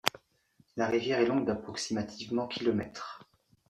La rivière est longue d'approximativement kilomètres.